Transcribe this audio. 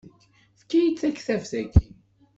Efk-iyi-d taktabt-agi.